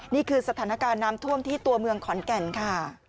นี่คือสถานการณ์น้ำท่วมที่ตัวเมืองขอนแก่นค่ะ